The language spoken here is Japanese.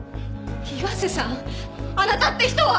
岩瀬さんあなたって人は！